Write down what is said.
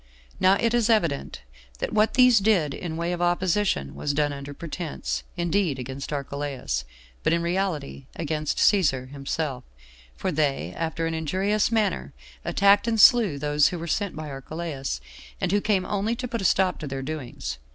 Now it is evident that what these did in way of opposition was done under pretense, indeed, against Archelaus, but in reality against Cæsar himself, for they, after an injurious manner, attacked and slew those who were sent by Archelaus, and who came only to put a stop to their doings.